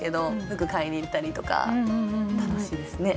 服買いに行ったりとか楽しいですね。